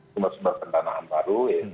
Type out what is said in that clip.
sumber sumber pentanaan baru